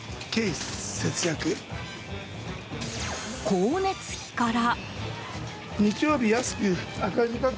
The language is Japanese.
光熱費から。